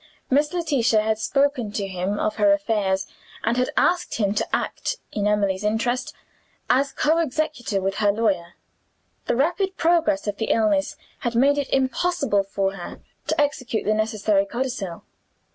Miss Letitia had spoken to him of her affairs, and had asked him to act (in Emily's interest) as co executor with her lawyer. The rapid progress of the illness had made it impossible for her to execute the necessary codicil.